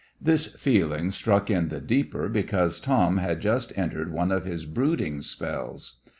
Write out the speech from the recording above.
This feeling struck in the deeper because Tom had just entered one of his brooding spells.